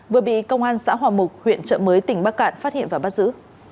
vừa bị công an xã hòa mục huyện trợ mới tỉnh bắc cạn phát hiện và bắt giữ